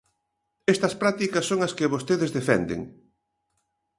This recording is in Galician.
Estas prácticas son as que vostedes defenden.